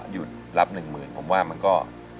หยุดรับหนึ่งหมื่นผมว่ามันก็